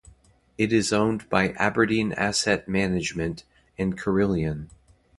It is owned by Aberdeen Asset Management and Carillion.